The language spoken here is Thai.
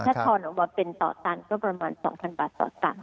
ถ้าทอนออกมาเป็นต่อตันก็ประมาณ๒๐๐บาทต่อตัน